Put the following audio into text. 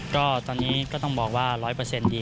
ก็ตอนนี้ก็ต้องบอกว่าร้อยเปอร์เซ็นต์ดี